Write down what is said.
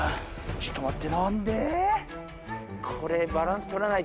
ちょっと待って。